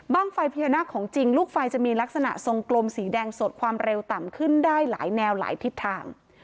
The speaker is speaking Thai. ไฟพญานาคของจริงลูกไฟจะมีลักษณะทรงกลมสีแดงสดความเร็วต่ำขึ้นได้หลายแนวหลายทิศทาง